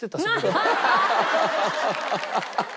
ハハハハッ！